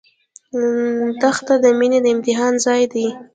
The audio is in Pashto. دښته د مینې د امتحان ځای دی.